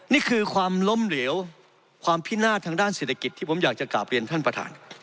นี่คือความล้มเหลวความพินาศทางด้านเศรษฐกิจที่ผมอยากจะกราบเรียนท่านประธาน